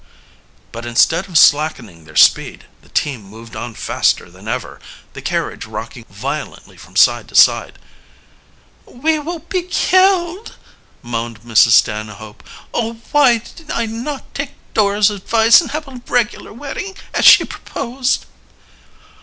But instead of slackening their speed, the team moved on faster than ever, the carriage rocking violently from side to side. "We will be killed!" moaned Mrs. Stanhope. "Oh, why did I not take Dora's advice and have a regular wedding, as she proposed!"